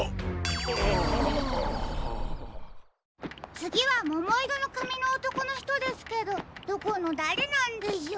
つぎはももいろのかみのおとこのひとですけどどこのだれなんでしょう？